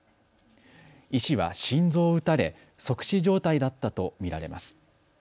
医師は心臓を撃たれ、即死状態だったと見られます。